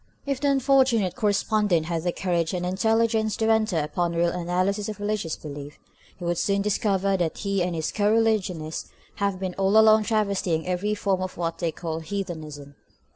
If the unfortunate correspondent had the courage and intelligence to enter upon a real analysis of religious belief, he would soon discover that he and his co religionists have been all along travestying every form of what they call heathenism.